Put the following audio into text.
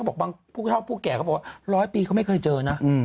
บอกบางผู้เท่าผู้แก่เขาบอกว่าร้อยปีเขาไม่เคยเจอนะ